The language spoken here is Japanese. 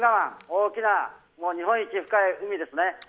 大きな日本一深い海ですね。